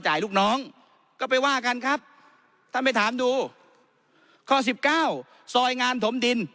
ลูกน้องก็ไปว่ากันครับท่านไปถามดูข้อสิบเก้าซอยงานถมดิน